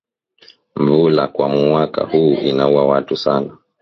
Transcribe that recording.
Nvula kwa mwaka huu inauwa watu sana